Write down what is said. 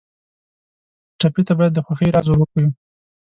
ټپي ته باید د خوښۍ راز ور وښیو.